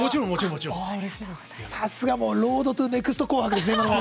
さすが、ロードトゥネクスト「紅白」ですね！